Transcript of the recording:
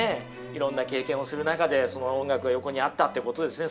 いろんな経験をする中でその音楽が横にあったということですね。